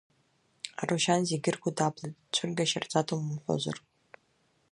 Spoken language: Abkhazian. Арушьан зегьы ргәы даблит, цәыргашьа рзаҭом умҳәозар.